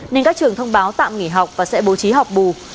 nên các trường thông báo tạm nghỉ học và sẽ bố trí học bù